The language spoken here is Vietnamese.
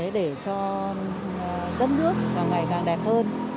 để cho đất nước ngày càng đẹp hơn